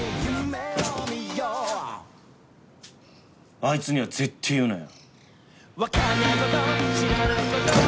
あいつには絶対言うなよ。